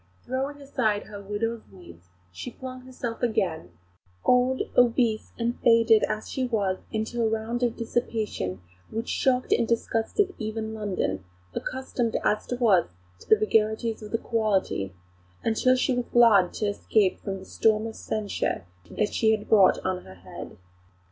Throwing aside her widow's weeds, she flung herself again old, obese, and faded as she was into a round of dissipation which shocked and disgusted even London, accustomed as it was to the vagaries of the "quality," until she was glad to escape from the storm of censure she had brought on her head.